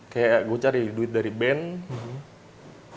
kayak gue cari duit dari band